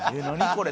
これ。